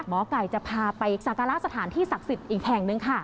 หมอไก่จะพาไปสักการะสถานที่ศักดิ์สิทธิ์อีกแห่งหนึ่งค่ะ